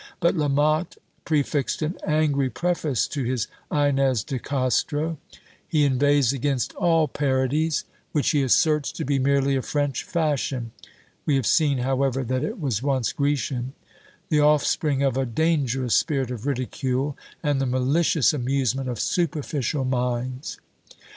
But La Motte prefixed an angry preface to his Inez de Castro; he inveighs against all parodies, which he asserts to be merely a French fashion (we have seen, however, that it was once Grecian), the offspring of a dangerous spirit of ridicule, and the malicious amusement of superficial minds.